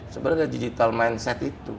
sebenarnya digital mindset itu